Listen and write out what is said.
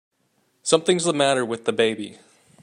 Something's the matter with the baby!